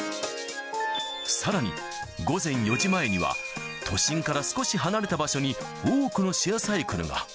さらに、午前４時前には、都心から少し離れた場所に、多くのシェアサイクルが。